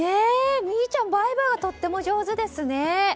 みいちゃん、バイバイもとっても上手ですね！